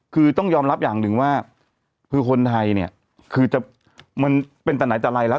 คือต้องยอมรับอย่างหนึ่งว่าคือคนไทยเนี่ยคือจะมันเป็นแต่ไหนแต่ไรแล้ว